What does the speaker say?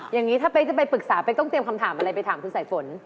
อย่างนี้ถ้าเป๊กจะไปปรึกษาเป๊กต้องเตรียมคำถามอะไรไปถามคุณสายฝน